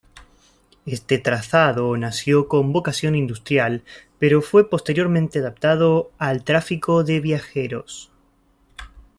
Este trazado, nació con vocación industrial pero fue posteriormente adaptado al tráfico de viajeros.